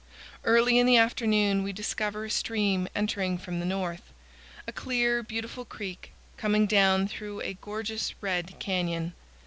Early in the afternoon we discover a stream entering from the north a clear, beautiful creek, coming down through a gorgeous red canyon.